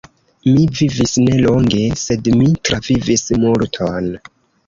Mi vivis ne longe, sed mi travivis multon.